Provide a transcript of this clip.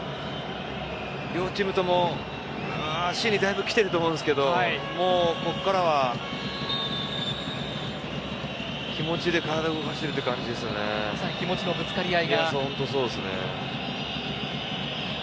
両チームとも足にだいぶきてると思うんですけどもう、ここからは気持ちで体を動かしているまさに気持ちのぶつかり合い。